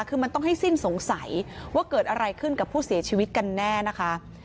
คือมันต้องให้สิ้นสงสัยว่าเกิดอะไรขึ้นกับผู้เสียชีวิตกันแน่นะคะ